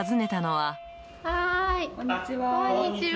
はーい、こんにちは。